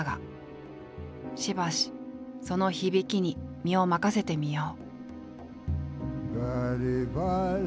しばしその響きに身を任せてみよう。